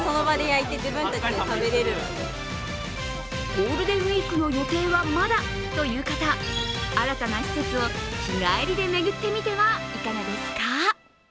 ゴールデンウイークの予定はまだという方新たな施設を日帰りで巡ってみてはいかがですか？